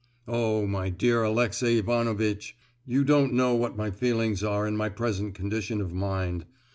Oh, my dear Alexey Ivanovitch! you don't know what my feelings are in my present condition of mind.